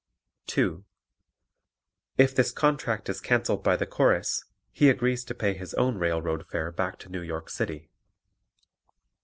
(2) If this contract is cancelled by the Chorus, he agrees to pay his own railroad fare back to New York City.